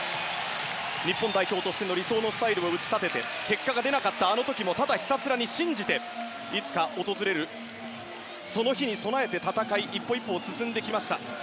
日本代表としての理想のスタイルを打ち立てて結果が出なかった、あの時もただひたすらに信じていつか訪れるその日に備えて戦い１歩１歩進んできました。